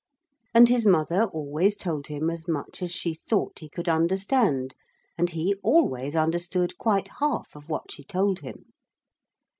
And his mother always told him as much as she thought he could understand, and he always understood quite half of what she told him.